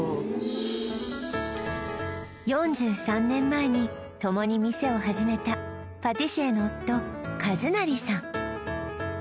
４３年前にともに店を始めたパティシエの夫和成さん